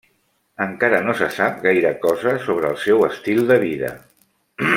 Encara no se sap gaire cosa sobre el seu estil de vida.